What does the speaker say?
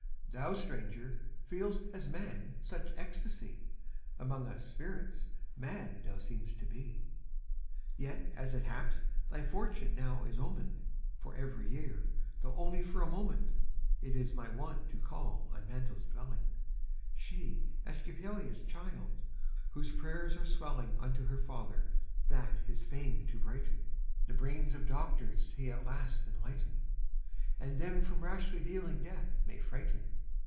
CHIRON. Thou, Stranger! feePst, as man, such ecstasy; Among us. Spirits, mad thou seem'st to be. Yet, as it haps, thy fortune now is omened ; For every year, though only for a moment, It is my wont to call at Manto's dwelling, — She, Esculapius' child, whose prayers are swelling Unto her father, that, his fame to brighten, The brains of doctors he at last enlighten. And them from rashly dealing death may frighten.